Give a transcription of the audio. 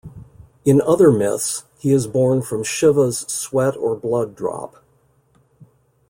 In other myths, he is born from Shiva's sweat or blood drop.